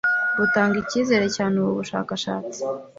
'Butanga icyizere cyane Ubu bushakashatsi '